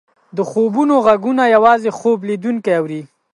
د خوبونو ږغونه یوازې خوب لیدونکی اوري.